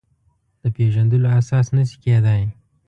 د پېژندلو اساس نه شي کېدای.